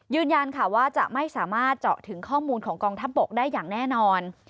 ยืนยันค่ะว่าจะไม่สามารถเจาะถึงข้อมูลของกองทัพบกได้อย่างแน่นอน